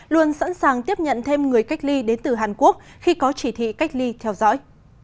luôn sẵn sàng tiếp nhận thêm người cách ly đến từ hàn quốc khi có chỉ thị cách ly theo dõi